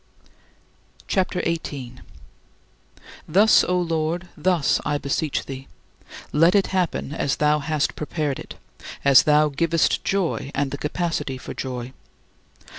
CHAPTER XVIII 22. Thus, O Lord, thus I beseech thee: let it happen as thou hast prepared it, as thou givest joy and the capacity for joy.